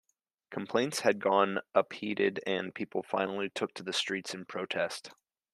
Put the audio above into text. Complaints had gone unheeded and people finally took to the streets in protest.